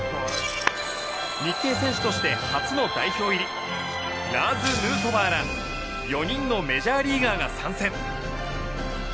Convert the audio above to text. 日系選手として初の代表入りラーズ・ヌートバーら４人のメジャーリーガーが参戦！